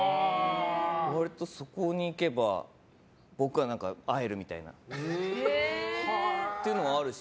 割と、そこに行けば僕は会えるみたいなっていうのもあるし。